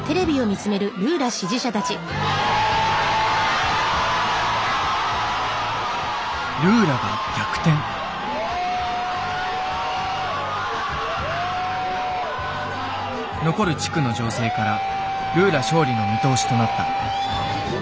残る地区の情勢からルーラ勝利の見通しとなった。